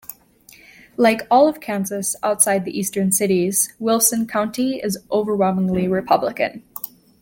Like all of Kansas outside the eastern cities, Wilson County is overwhelmingly Republican.